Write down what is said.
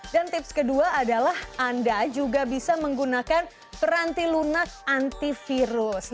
dan tips kedua adalah anda juga bisa menggunakan ferranti lunak antivirus